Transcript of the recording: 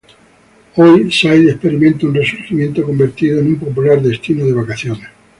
Hoy Side experimenta un resurgimiento, convertido en un popular destino de vacaciones.